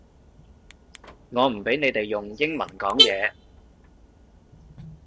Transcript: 我唔畀你哋用英文講嘢